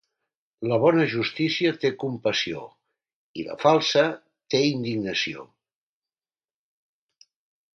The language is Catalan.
La bona justícia té compassió i, la falsa, té indignació.